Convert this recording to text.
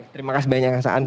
terima kasih banyak saan